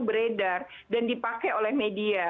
beredar dan dipakai oleh media